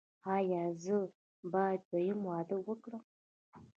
ایا زه باید دویم واده وکړم؟